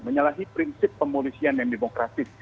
menyalahi prinsip pemolisian yang demokratis